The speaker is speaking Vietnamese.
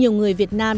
hello việt nam